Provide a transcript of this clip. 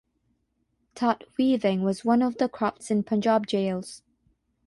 Tat weaving was one of the crafts in Punjab jails.